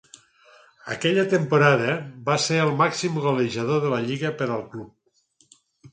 Aquella temporada va ser el màxim golejador de la lliga per al club.